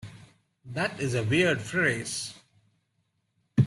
That is a weird phrase.